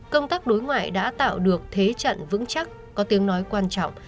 công tác đối ngoại đã tạo được thế trận vững chắc có tiếng nói quan trọng